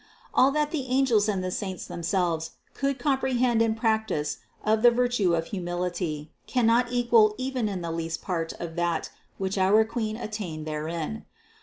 All that the angels and the saints themselves could comprehend and practice of the virtue of humility, cannot equal even the least part of that which our Queen attained therein.